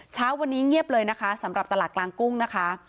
เช้าวันนี้เงียบเลยนะคะสำหรับตลาดกลางกุ้งนะคะ